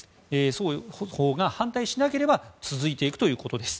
双方が反対しなければ続いていくということです。